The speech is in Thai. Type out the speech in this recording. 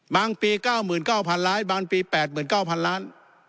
บางปีเก้าหมื่นเก้าพันล้านบางปีแปดหมื่นเก้าพันล้าน